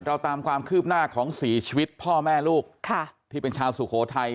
ตามความคืบหน้าของสี่ชีวิตพ่อแม่ลูกที่เป็นชาวสุโขทัย